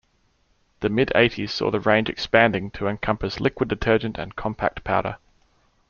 The mid-eighties saw the range expanding to encompass liquid detergent and compact powder.